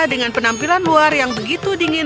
dengan penampilan luar yang begitu dingin